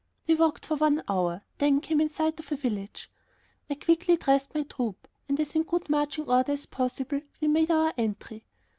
We walked for one hour, then came in sight of a village. I quickly dressed my troop, and in as good marching order as possible we made our entry.